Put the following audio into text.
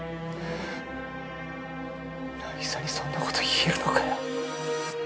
凪沙にそんなこと言えるのかよ！